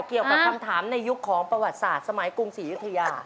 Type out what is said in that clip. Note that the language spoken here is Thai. เกี่ยวกับคำถามในยุคของประวัติศาสตร์สมัยกรุงศรียุธยา